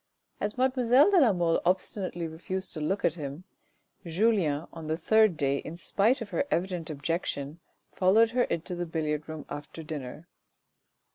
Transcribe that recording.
As mademoiselle de la Mole obstinately refused to look at him, Julien on the third day in spite of her evident objection, followed her into the billiard room after dinner.